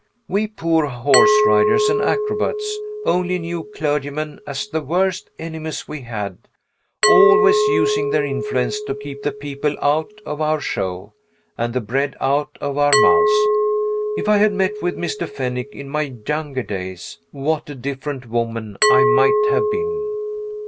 We poor horse riders and acrobats only knew clergymen as the worst enemies we had always using their influence to keep the people out of our show, and the bread out of our mouths. If I had met with Mr. Fennick in my younger days, what a different woman I might have been!